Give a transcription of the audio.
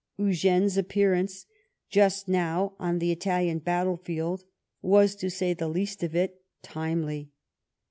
Eugene's appearance just now on the Italian battle field was, to say the least of it, timely.